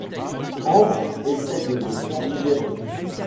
Ambre essaie de le faire libérer.